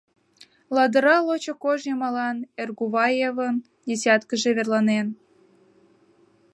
Ладыра лочо кож йымалан Эргуваевын десяткыже верланен.